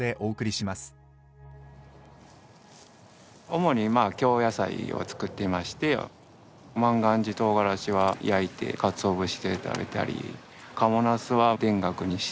主に京野菜を作っていまして万願寺とうがらしは焼いてかつお節で食べたり賀茂なすは田楽にして。